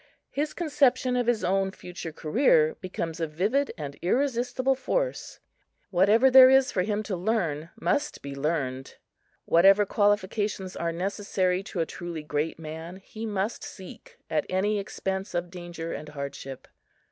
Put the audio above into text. His conception of his own future career becomes a vivid and irresistible force. Whatever there is for him to learn must be learned; whatever qualifications are necessary to a truly great man he must seek at any expense of danger and hardship.